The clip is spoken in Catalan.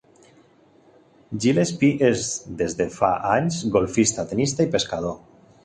Gillespie és des de fa anys golfista, tenista i pescador.